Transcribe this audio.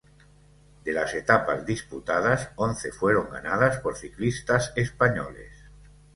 De las etapas disputadas, once fueron ganadas por ciclistas españoles.